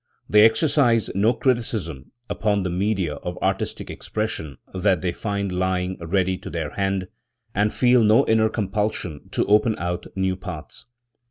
They exercise no criticism upon the media of artistic expression that they find lying ready to their hand, and feel no inner compulsion to open out new paths.